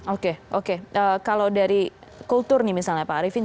oke oke kalau dari kultur nih misalnya pak arifin